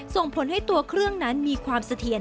ส่งผลให้ตัวเครื่องนั้นมีความเสถียร